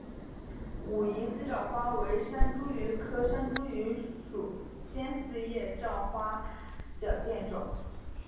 武夷四照花为山茱萸科山茱萸属尖叶四照花的变种。